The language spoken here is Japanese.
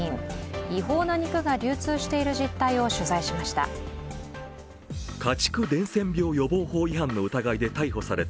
違法な肉が流通している実態を取材しました。